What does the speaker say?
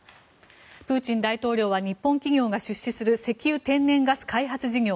プーチン大統領は日本企業が出資する石油・天然ガス開発事業